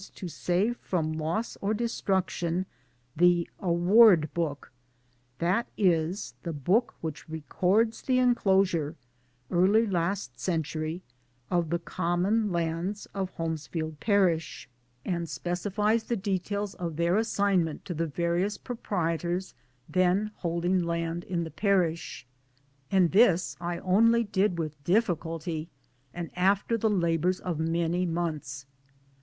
to save from! loss or destruction the Award Book that is the book which records the enclosure, early last century, of the Common Lands of Holmesfield Parish, 293 MY DAYS AND DREAMS and specifies the details of theif assignment to the various proprietors then holding land in the parish. And this I only did with difficulty and after the labours of many months.